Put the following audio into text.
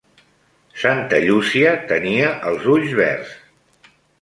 Santa Llúcia tenia els ulls verds.